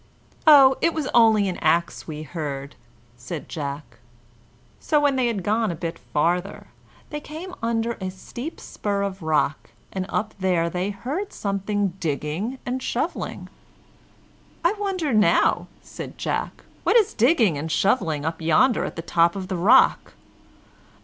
"Oh, it was only an axe we heard," said Jack. So when they had gone a bit farther, they came under a steep spur of rock, and up there they heard something digging and shoveling. "I wonder now," said Jack, "what it is digging and shoveling up yonder at the top of the rock."